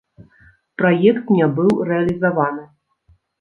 Праект не быў рэалізаваны.